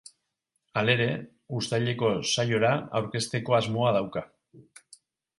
Halere, uztaileko saiora aurkezteko asmoa dauka.